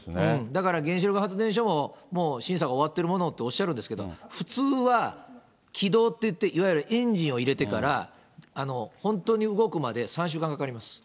だから原子力発電所も、もう審査が終わってるものとおっしゃるんですけれども、普通はきどうっていって、いわゆるエンジンを入れてから、本当に動くまで３週間かかります。